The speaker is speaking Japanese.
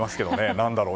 何だろう